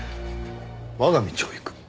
我が道を行く。